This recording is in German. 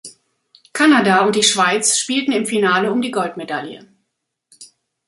Kanada und die Schweiz spielten im Finale um die Goldmedaille.